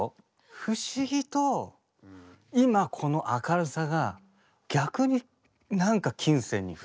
不思議と今この明るさが逆になんか琴線に触れるというか。